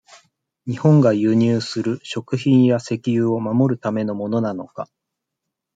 日本が輸入する、食品や石油を、守るためのものなのか。